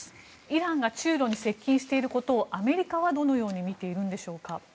イランが中ロに接近していることをアメリカはどのように見ているんでしょうか？